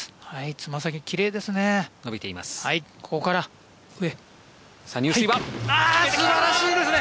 つま先、きれいですね。